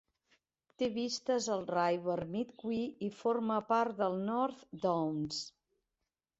Té vistes al River Medway i forma part del North Downs.